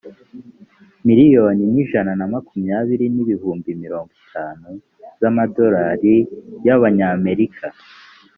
miliyoni ijana na makumyabiri n ibihumbi mirongo itanu z amadolari y abanyamerika